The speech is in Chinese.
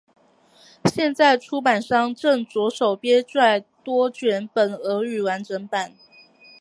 现在出版商正着手编撰多卷本俄语完整版。